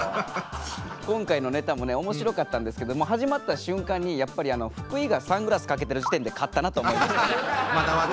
今回のネタもね面白かったんですけどもう始まった瞬間にやっぱりあの福井がサングラス掛けてる時点で勝ったなと思いました。